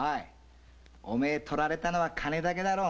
おめえ取られたのは金だけか。